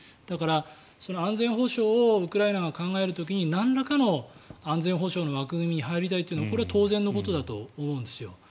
だから、安全保障をウクライナが考える時になんらかの安全保障の枠組みに入りたいというのはこれは当然のことだと思うんですよ。